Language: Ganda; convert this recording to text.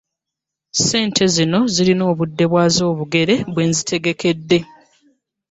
ssentensi zino zirina obudde bwazo obugere bwe nzitegekedde.